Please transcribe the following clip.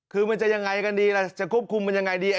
คือมันจะยังไงกันดีล่ะจะควบคุมมันยังไงดี